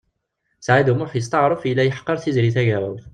Saɛid U Muḥ yesṭeɛref yella yeḥqer Tiziri Tagawawt.